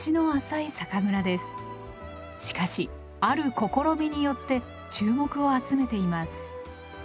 しかしある試みによって注目を集めています。